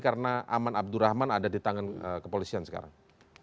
karena aman abdurrahman ada di tangan kepolisian sekarang